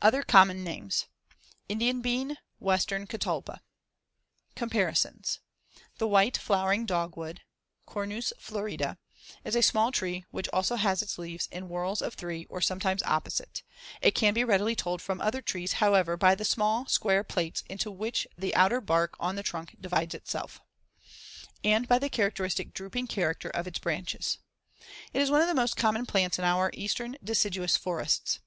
Other common names: Indian bean; western catalpa. Comparisons: The white flowering dogwood (Cornus florida) is a small tree which also has its leaves in whorls of three or sometimes opposite. It can be readily told from other trees, however, by the small square plates into which the outer bark on the trunk divides itself, see Fig. 85, and by the characteristic drooping character of its branches. It is one of the most common plants in our eastern deciduous forests.